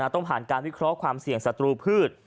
ต้องผ่านการวิเคราะห์ความเสี่ยงศัตรูพืช